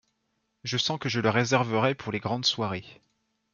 Je sens que je le réserverais pour les grandes soirées.